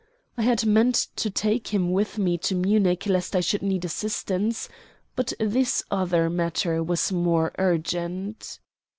I had meant to take him with me to Munich lest I should need assistance, but this other matter was more urgent.